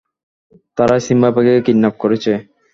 তারাই সিম্বাকে কিডন্যাপ করেছে।